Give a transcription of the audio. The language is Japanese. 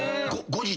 後日。